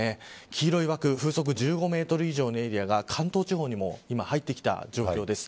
黄色い枠風速１５メートル以上のエリアが関東地方にも今、入ってきた状況です。